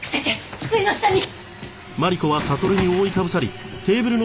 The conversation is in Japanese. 机の下に！